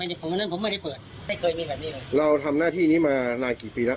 ไม่ได้เปิดไม่เคยมีแบบนี้เลยเราทำหน้าที่นี้มานายกี่ปีแล้ว